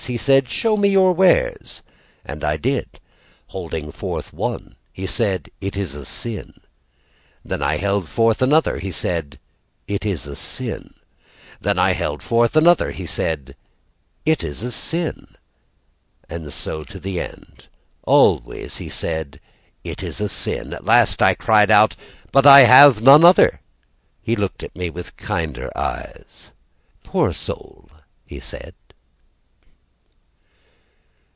He said: "Show me of your wares." And I did, Holding forth one, He said: "It is a sin." Then I held forth another. He said: "It is a sin." Then I held forth another. He said: "It is a sin." And so to the end. Always He said: "It is a sin." At last, I cried out: "But I have non other." He looked at me With kinder eyes. "Poor soul," he said.